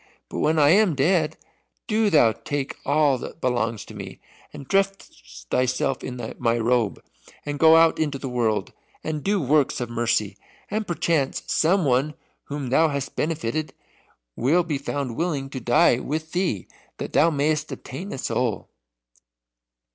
But when I am dead, do thou take all that belongs to me, and dress thyself in my robe, and go out into the world, and do works of mercy, and perchance some one whom thou hast benefited will be found willing to die with thee, that thou mayst obtain a soul."